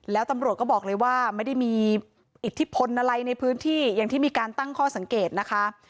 แล้วตำรวจก็บอกเลยว่าไม่ได้มีอิทธิพลอะไรในพื้นที่อย่างที่มีการตั้งข้อสังเกตนะคะ